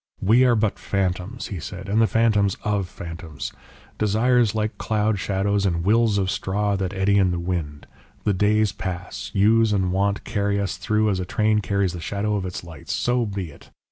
"We are but phantoms," he said, "and the phantoms of phantoms, desires like cloud shadows and wills of straw that eddy in the wind; the days pass, use and wont carry us through as a train carries the shadow of its lights, so be it!